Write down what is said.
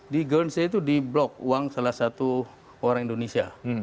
di gernsey itu diblock uang salah satu orang indonesia